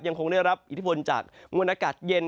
ยังคงได้รับอิทธิพลจากมวลอากาศเย็น